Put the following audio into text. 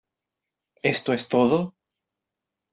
¿Esto es todo?